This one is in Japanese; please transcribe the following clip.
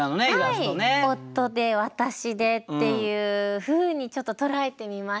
夫で私でっていうふうにちょっと捉えてみました。